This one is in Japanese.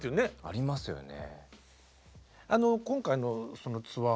ありますよね。